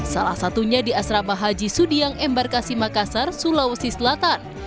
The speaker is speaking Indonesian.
salah satunya di asrama haji sudiang embarkasi makassar sulawesi selatan